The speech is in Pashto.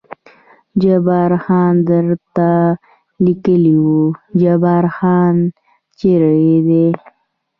جبار خان درته لیکلي و، جبار خان چېرې دی؟